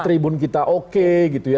tribun kita oke gitu ya